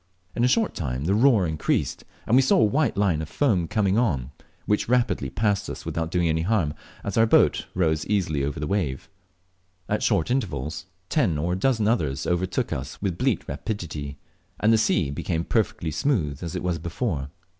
In a short time the roar increased, and we saw a white line of foam coming on, which rapidly passed us without doing any harm, as our boat rose easily over the wave. At short intervals, ten or a dozen others overtook us with bleat rapidity, and then the sea became perfectly smooth, as it was before.